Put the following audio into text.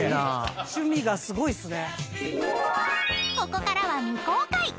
［ここからは未公開］